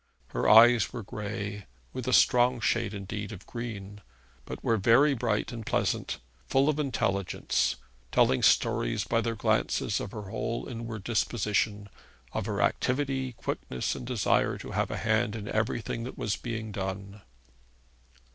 Her eyes were gray, with a strong shade indeed of green, but were very bright and pleasant, full of intelligence, telling stories by their glances of her whole inward disposition, of her activity, quickness, and desire to have a hand in everything that was being done.